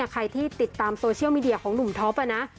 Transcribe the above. ใครที่ติดตามโซเชียลมีเดียของหนุ่มท็อปนะ